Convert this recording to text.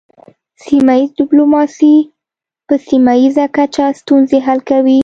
سیمه ایز ډیپلوماسي په سیمه ایزه کچه ستونزې حل کوي